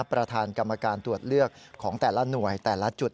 ประธานกรรมการตรวจเลือกของแต่ละหน่วยแต่ละจุด